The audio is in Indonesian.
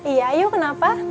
iya yuk kenapa